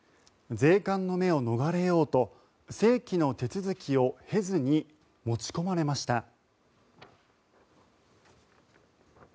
税関の目を逃れようと正規の手続きを経ずに持ち込まれました。